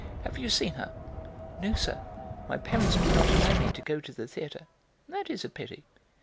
Have you seen her?" "No, sir, my parents do not allow me to go to the theatre." "That is a pity.